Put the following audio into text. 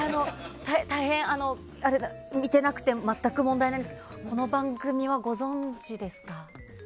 大変、見てなくても全く問題ないですがこの番組はご存じですか？